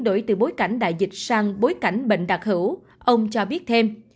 đổi từ bối cảnh đại dịch sang bối cảnh bệnh đặc hữu ông cho biết thêm